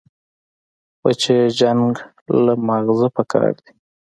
بچيه جنگ له مازغه پکار دي.